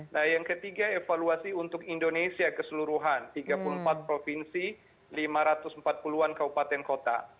nah yang ketiga evaluasi untuk indonesia keseluruhan tiga puluh empat provinsi lima ratus empat puluh an kabupaten kota